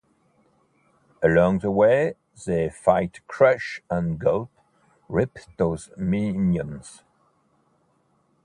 Along the way, They fight Crush and Gulp, Ripto's minions.